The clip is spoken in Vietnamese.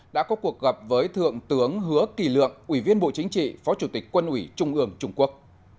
đã có cuộc gặp với thượng tướng hứa kỳ lượng ủy viên bộ chính trị phó chủ tịch quân ủy trung ương trung quốc